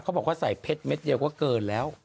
บอกว่าใส่เพชรเม็ดเดียวก็เกินแล้ว